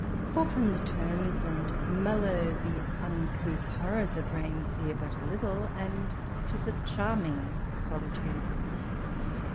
Soften the terms, and mellow the uncouth horror that reigns here, but a little, and 'tis a charming solitude.